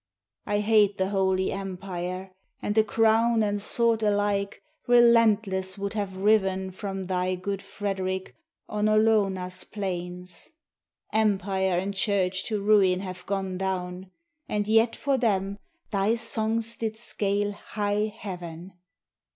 I hate the Holy Empire, and the crown And sword alike relentless would have riven From thy good Frederic on Olona's plains. Empire and Church to ruin have gone down, And yet for them thy songs did scale high heaven.